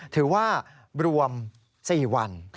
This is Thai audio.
ถือว่ารวม๔วัน